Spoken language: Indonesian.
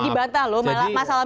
tapi ini udah dibata loh